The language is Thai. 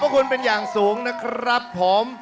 ขอบคุณเป็นอย่างสูงนะครับผม